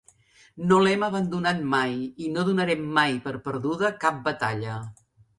No l’hem abandonat mai i no donarem mai per perduda cap batalla.